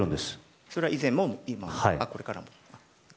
それは以前もこれからも？